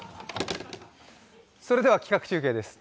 それでは企画中継です。